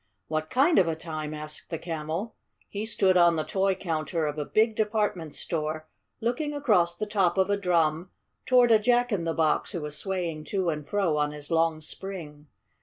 "What kind of a time?" asked the Camel. He stood on the toy counter of a big department store, looking across the top of a drum toward a Jack in the Box who was swaying to and fro on his long spring.